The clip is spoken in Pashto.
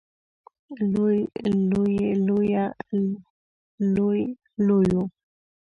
لوی لویې لويه لوې لويو